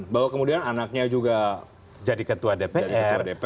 bahwa kemudian anaknya juga jadi ketua dpr